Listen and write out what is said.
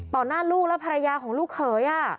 หน้าลูกและภรรยาของลูกเขย